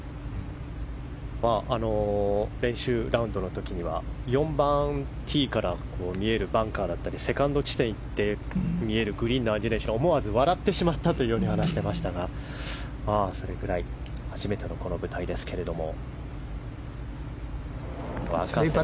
練習ラウンドの時には４番ティーから見えるバンカーだったりセカンド地点に行って見えるグリーンのアンジュレーションに思わず笑ってしまったと話していましたがそれくらい初めてのこの舞台ですけれども。